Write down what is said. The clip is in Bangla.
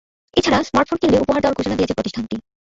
এ ছাড়া স্মার্টফোন কিনলে উপহার দেওয়ার ঘোষণা দিয়েছে প্রতিষ্ঠানটি।